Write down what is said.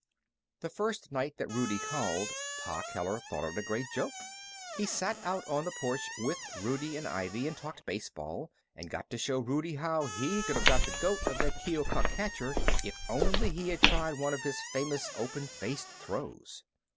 The first night that Rudie called, Pa Keller thought it a great joke. He sat out on the porch with Rudie and Ivy and talked baseball, and got up to show Rudie how he could have got the goat of that Keokuk catcher if only he had tried one of his famous open faced throws.